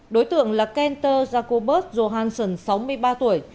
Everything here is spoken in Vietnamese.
đối tượng là kentor jacobus johansson sáu mươi ba tuổi